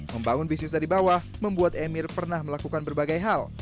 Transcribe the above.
membangun bisnis dari bawah membuat emir pernah melakukan berbagai hal